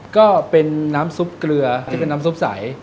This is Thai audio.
ก็เป็นน้ำซุปเกลือที่เป็นน้ำซุปใส